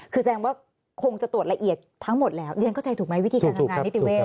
คือแสดงว่าคงจะตรวจละเอียดทั้งหมดแล้วเรียนเข้าใจถูกไหมวิธีการทำงานนิติเวศ